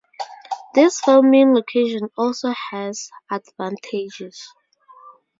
This filming location also has advantages.